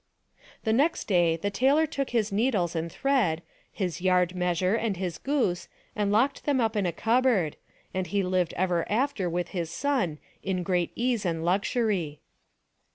The next day the tailor took his needles and thread, his yard measure and his goose and locked them up in a cupboard, and he lived ever after with his son in great ease and luxury.